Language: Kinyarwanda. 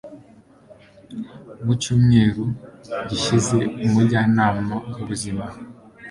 mu cyumweru gishize, umujyanama w'ubuzima